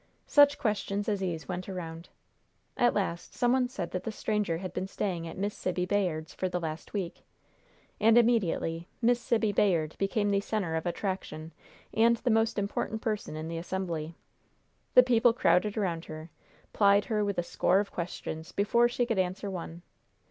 Such questions as these went around. At last some one said that the stranger had been staying at Miss Sibby Bayard's for the last week. And immediately Miss Sibby Bayard became the center of attraction and the most important person in the assembly. The people crowded around her, plied her with a score of questions before she could answer one.